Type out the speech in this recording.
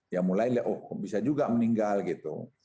ya mulai oh bisa juga meninggal gitu